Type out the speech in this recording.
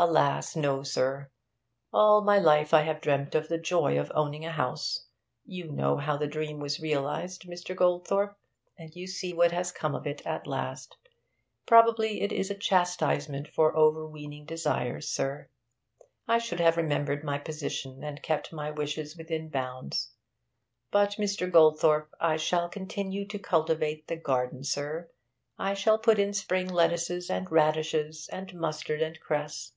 'Alas! no, sir. All my life I have dreamt of the joy of owning a house. You know how the dream was realised, Mr. Goldthorpe, and you see what has come of it at last. Probably it is a chastisement for overweening desires, sir. I should have remembered my position, and kept my wishes within bounds. But, Mr. Goldthorpe, I shall continue to cultivate the garden, sir. I shall put in spring lettuces, and radishes, and mustard and cress.